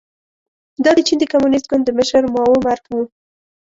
دا د چین د کمونېست ګوند د مشر ماوو مرګ و.